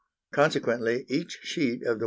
Consequently each sheet of the 1d.